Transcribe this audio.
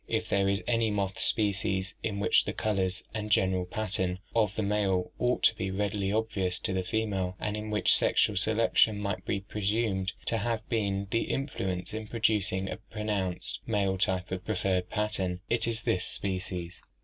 If there is any moth species in which the colors and general pattern of the male ought to be readily obvious to the female, and in which sexual selection might be presumed to have been the influence in producing a pronounced male type of preferred pattern, it is this species.